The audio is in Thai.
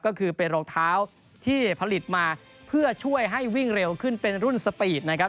ก็คือเป็นรองเท้าที่ผลิตมาเพื่อช่วยให้วิ่งเร็วขึ้นเป็นรุ่นสปีดนะครับ